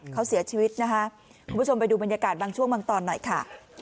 เขาเสียชีวิตนะคะคุณผู้ชมไปดูบรรยากาศบางช่วงบางตอนหน่อยค่ะ